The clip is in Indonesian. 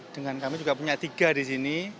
dengan kami juga punya tiga di sini